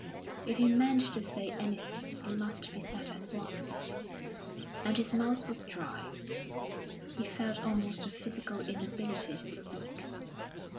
If he meant to say anything it must be said at once; and his mouth was dry, he felt almost a physical inability to speak.